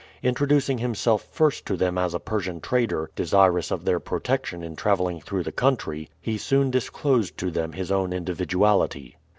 Introducing himself first to them as a Persian trader desirous of their protection in traveling through the country, he soon disclosed to them his own individuality.